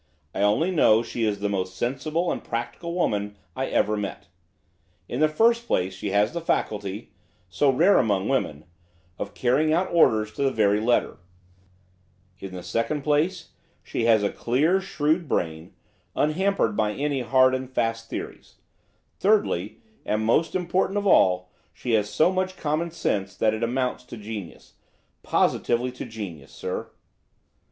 I only know she is the most sensible and practical woman I ever met. In the first place, she has the faculty–so rare among women–of carrying out orders to the very letter: in the second place, she has a clear, shrewd brain, unhampered by any hard and fast theories; thirdly, and most important item of all, she has so much common sense that it amounts to genius–positively to genius, sir."